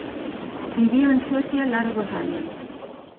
Vivió en Suecia largos años.